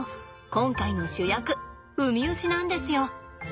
今回の主役ウミウシなんですよ。